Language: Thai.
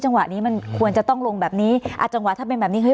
จังหวะนี้มันควรจะต้องลงแบบนี้อ่ะจังหวะถ้าเป็นแบบนี้เฮ้